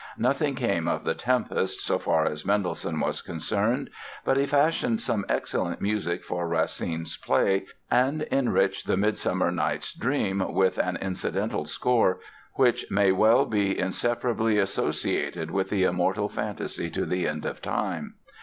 Nothing came of "The Tempest" so far as Mendelssohn was concerned. But he fashioned some excellent music for Racine's play and enriched the "Midsummer Night's Dream" with an incidental score which may well be inseparably associated with the immortal fantasy to the end of time.